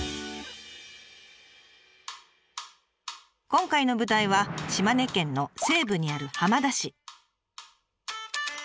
今回の舞台は島根県の西部にある浜田市。